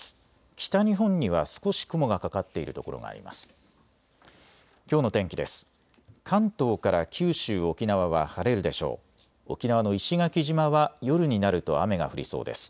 北日本には少し雲がかかっている所があります。